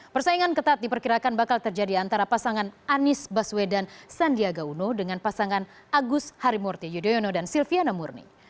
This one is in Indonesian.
persaingan ketat diperkirakan bakal terjadi antara pasangan anies baswedan sandiaga uno dengan pasangan agus harimurti yudhoyono dan silviana murni